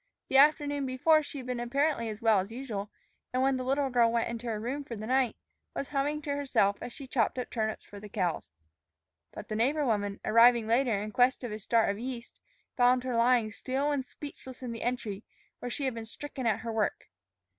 The afternoon before she had been apparently as well as usual, and when the little girl went into her room for the night, was humming to herself as she chopped up turnips for the cows. But the neighbor woman, arriving later in quest of a start of yeast, found her lying still and speechless in the entry, where she had been stricken at her work.